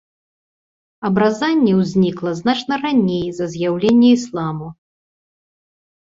Абразанне ўзнікла значна раней за з'яўленне ісламу.